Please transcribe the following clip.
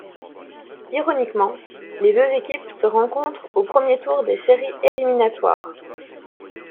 Ironiquement, les deux équipes se rencontrent au premier tour des séries éliminatoires.